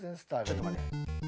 ちょっと待って。